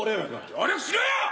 協力しろよ！